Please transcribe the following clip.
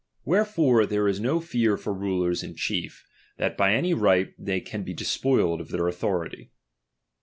Wherefore there is no fear for rulers in chief, that by any right they can be despoiled of their authority.